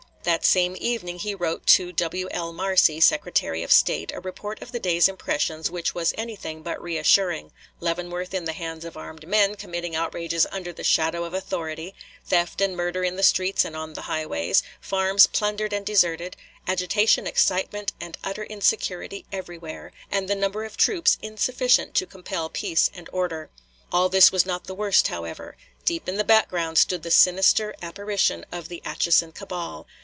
That same evening he wrote to W.L. Marcy, Secretary of State, a report of the day's impressions which was anything but reassuring Leavenworth in the hands of armed men committing outrages under the shadow of authority; theft and murder in the streets and on the highways; farms plundered and deserted; agitation, excitement, and utter insecurity everywhere, and the number of troops insufficient to compel peace and order. All this was not the worst, however. Deep in the background stood the sinister apparition of the Atchison cabal.